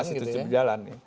masih terus berjalan